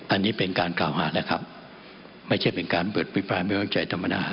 อันนี้เป็นการกล่าวหานะครับไม่ใช่เป็นการเปิดพิปรายไม่ไว้วางใจธรรมดา